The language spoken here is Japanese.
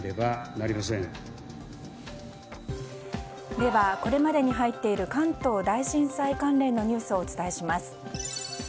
では、これまでに入っている関東大震災関連のニュースをお伝えします。